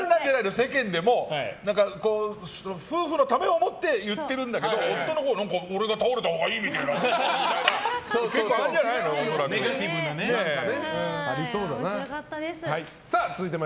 世間でも夫婦のためを思って言ってるんだけど夫のほうは、俺が倒れたほうがいいみたいな！みたいな。